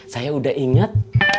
saya udah ingat